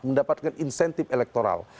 mendapatkan insentif elektoral